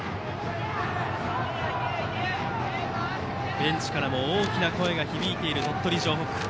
ベンチからも大きな声が響く鳥取城北。